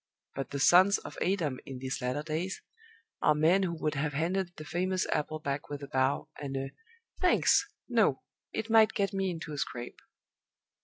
But the sons of Adam, in these latter days, are men who would have handed the famous apple back with a bow, and a "Thanks, no; it might get me into a scrape."